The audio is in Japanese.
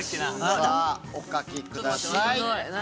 さぁお書きください。